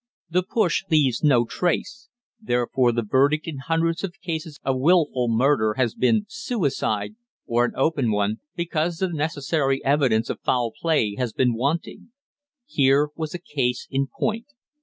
The push leaves no trace; therefore, the verdict in hundreds of cases of wilful murder has been "Suicide," or an open one, because the necessary evidence of foul play has been wanting. Here was a case in point.